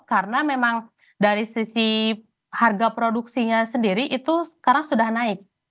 karena memang dari sisi harga produksinya sendiri itu sekarang sudah naik